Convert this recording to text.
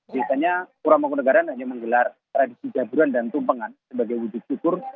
biasanya pura mangkunagaran hanya menggelar tradisi jaburan dan tumpengan sebagai wujud syukur